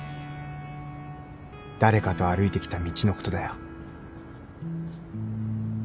誰かと歩いてきた道のことだよ。